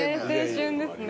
青春ですね。